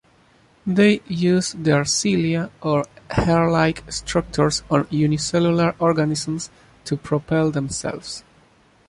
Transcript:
They use their cilia, or hair-like structures on unicellular organisms, to propel themselves.